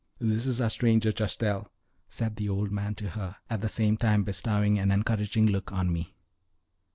"This is our stranger, Chastel," said the old man to her, at the same time bestowing an encouraging look on me.